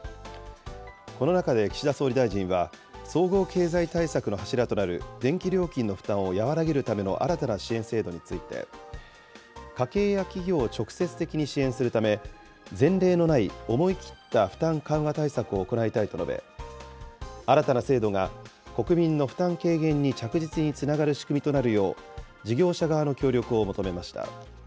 この中で岸田総理大臣は、総合経済対策の柱となる電気料金の負担を和らげるための新たな支援制度について、家計や企業を直接的に支援するため、前例のない思い切った負担緩和対策を行いたいと述べ、新たな制度が国民の負担軽減に着実につながる仕組みとなるよう、事業者側の協力を求めました。